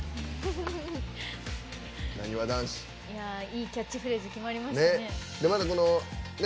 いいキャッチフレーズ決まりましたね。